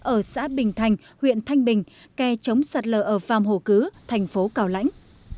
ở xã bình thành huyện thanh bình gây chống sạt lở ở pham hồ cứ thành phố cào lãnh